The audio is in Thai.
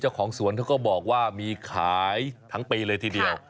เจ้าของสวนเขาก็บอกว่ามีขายทั้งปีเลยทีเดียว